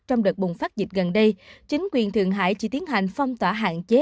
trong đợt bùng phát dịch gần đây chính quyền thượng hải chỉ tiến hành phong tỏa hạn chế